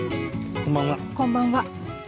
こんばんは。